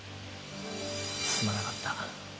すまなかった。